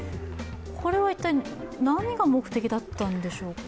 これは一体、何が目的だったんでしょうかね。